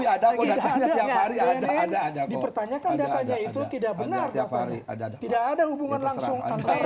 tidak ada hubungan langsung antara narkoba dengan hubungan lain